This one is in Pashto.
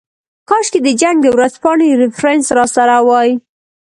کاشکې د جنګ د ورځپاڼې ریفرنس راسره وای.